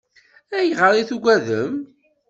Ayɣer i tugadem?